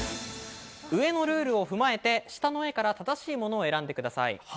上のルールを踏まえて、下の絵から正しいものを選んでください。